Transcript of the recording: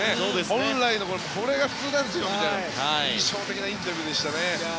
本来の、これが普通なんですって印象的なインタビューでしたよね。